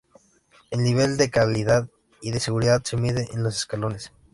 El nivel de calidad y de seguridad se mide en los escalones.